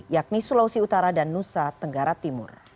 yakni sulawesi utara dan nusa tenggara timur